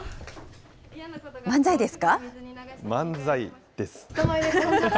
漫才です。